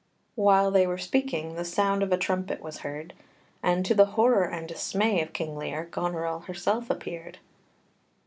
While they were speaking, the sound of a trumpet was heard, and, to the horror and dismay of King Lear, Goneril herself appeared.